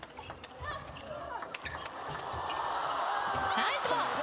ナイスボール。